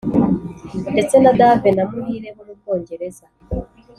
ndetse na Dave na muhire bo mu Bwongereza,